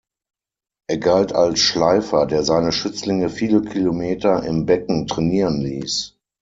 Er galt als „Schleifer“, der seine Schützlinge viele Kilometer im Becken trainieren ließ.